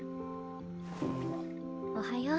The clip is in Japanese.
おはよう。